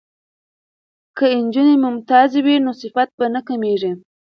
که نجونې ممتازې وي نو صفت به نه کمیږي.